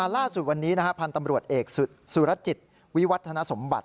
ล่าสุดวันนี้พันธ์ตำรวจเอกสุรจิตวิวัฒนสมบัติ